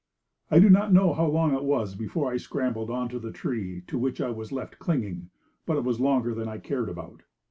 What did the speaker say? I do not know how long it was before I scrambled on to the tree to which I was left clinging, but it was longer than I cared about.